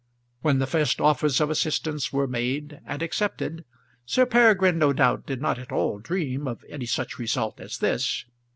When the first offers of assistance were made and accepted, Sir Peregrine no doubt did not at all dream of any such result as this.